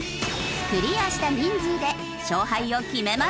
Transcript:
クリアした人数で勝敗を決めます。